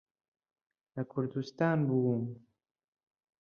لە کوردستان بووم.